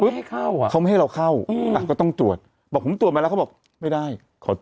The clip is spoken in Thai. บอกมาแล้วเขาตรวจตอบไม่ได้